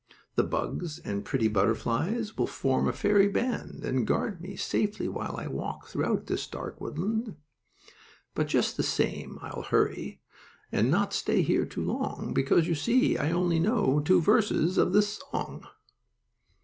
"The bugs and pretty butterflies Will form a fairy band And guard me safely while I walk Throughout this dark woodland. But just the same, I'll hurry, And not stay here too long; Because, you see, I only know Two verses of this song."